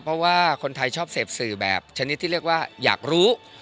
เพราะว่าคนไทยชอบเสพสื่อแบบชนิดที่เรียกว่าอยากรู้